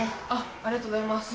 ありがとうございます。